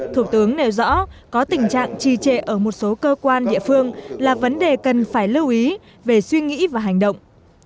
thủ tướng nêu rõ có tình trạng trì trệ ở một số cơ quan địa phương là vấn đề cần phải lưu ý về suy nghĩ và hành động